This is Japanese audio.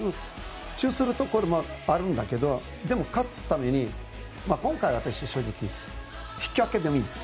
注意するところもあるんだけどでも勝つために、私は正直今回引き分けでもいいです。